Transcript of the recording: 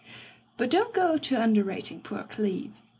But don't go to underrating poor Cleeve.